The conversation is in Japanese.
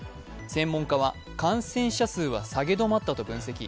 専門家は感染者数は下げ止まったと分析。